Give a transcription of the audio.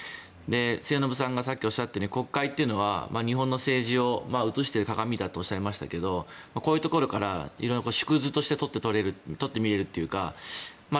末延さんがさっきおっしゃったように国会というのは日本の政治を映している鏡だとおっしゃっていましたがこういうところから色々縮図として取って見れるというか。